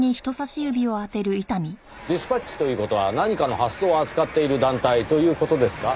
ディスパッチという事は何かの発送を扱っている団体という事ですか？